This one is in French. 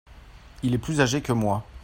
Il est plus agé que moi.